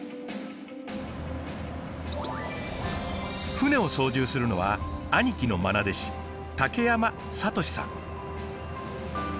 船を操縦するのは兄貴の愛弟子武山哲さん。